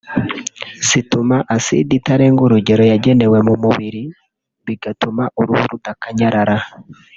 zituma acide itarenga urugero yagenewe mu mubiri bigatuma uruhu rudakanyarara